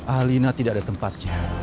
alina tidak ada tempatnya